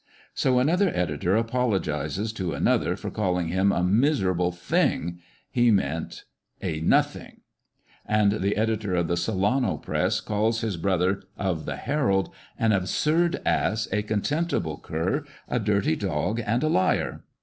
So, another editor apologises to another for calling him a miserable thing — he meant a nothing ; and the editor of the Solano Press calls his brother of the Herald " an absurd ass, a contemptible cur, a dirty dog, and a liar."